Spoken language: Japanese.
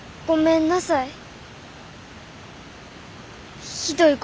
ごめんなさい。